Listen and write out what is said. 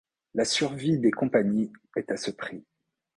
La survie des compagnies est à ce prix.